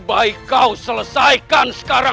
maka aku akan mengakhiri penderitaan